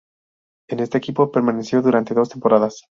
En este equipo permaneció durante dos temporadas.